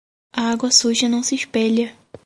A água suja não se espelha.